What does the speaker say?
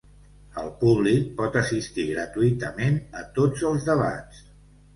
El públic pot assistir gratuïtament a tots els debats.